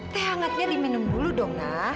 teh hangatnya diminum dulu dong ya